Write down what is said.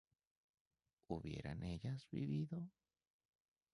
¿hubieran ellas vivido?